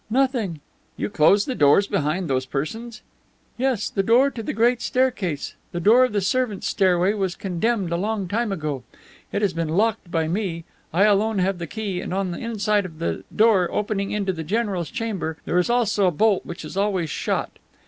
"Nothing." "You closed the doors behind those persons?" "Yes, the door to the great staircase. The door of the servants' stairway was condemned a long time ago; it has been locked by me, I alone have the key and on the inside of the door opening into the general's chamber there is also a bolt which is always shot.